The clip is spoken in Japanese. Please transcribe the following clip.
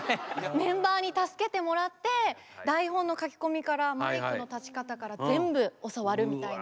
メンバーに助けてもらって台本の書き込みからマイクの立ち方から全部教わるみたいな。